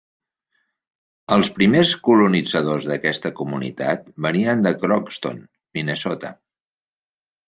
Els primers colonitzadors d'aquesta comunitat venien de Crookston, Minnesota.